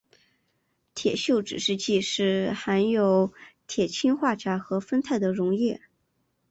铁锈指示剂是含有铁氰化钾和酚酞的溶液。